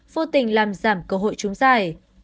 vô tình làm giảm cơ hội trúng giải